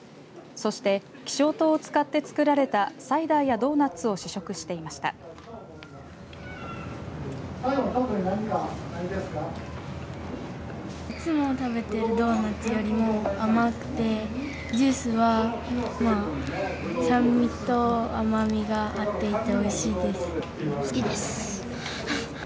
そして、希少糖を使って作られたサイダーやドーナツを試食していました。